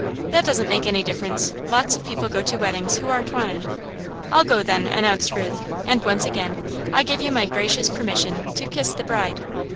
"That doesn't make any difference. Lots of people go to weddings who aren't wanted." "I'll go, then," announced Ruth, "and once again, I give you my gracious permission to kiss the bride."